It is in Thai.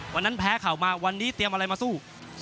แพ้เข่ามาวันนี้เตรียมอะไรมาสู้